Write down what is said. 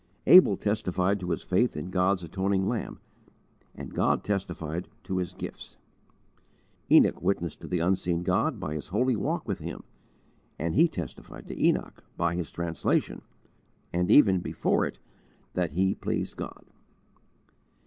Abel testified to his faith in God's Atoning Lamb, and God testified to his gifts. Enoch witnessed to the unseen God by his holy walk with Him, and He testified to Enoch, by his translation, and even before it, that he pleased God.